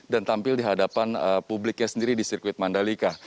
dan tampil di hadapan publiknya sendiri di sirkuit mandalika